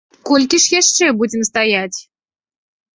Колькі ж яшчэ будзем стаяць?